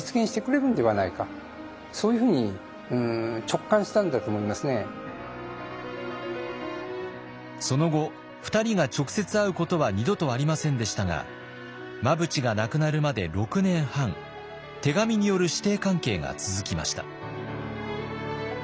私は恐らく恐らく真淵はその後２人が直接会うことは二度とありませんでしたが真淵が亡くなるまで６年半手紙による師弟関係が続きました。